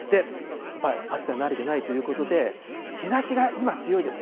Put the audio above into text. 暑さに慣れてないということで、日ざしが今強いです。